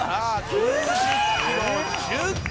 ９０キロを１０回」